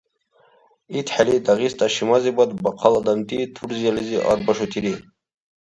ИтхӀели Дагъиста шимазибад бахъал адамти Турциялизи арбашутири.